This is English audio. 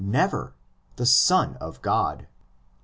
never, the Son of God.